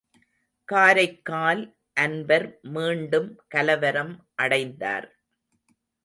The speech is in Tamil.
காரைக்கால் அன்பர் மீண்டும் கலவரம் அடைந்தார்.